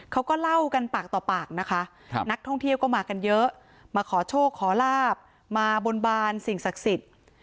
เขาก็เล่ากันปากต่อปากนะคะนักท่องเที่ยวก็มากันเยอะมาขอโชคขอลาบมาบนบานสิ่งศักดิ์สิทธิ์